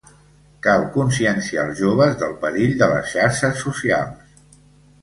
Cal conscienciar els joves del perill de les xarxes socials.